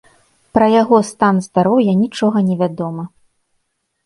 Пра яго стан здароўя нічога не вядома.